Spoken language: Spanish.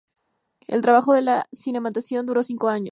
El trabajo de la cimentación duró cinco años.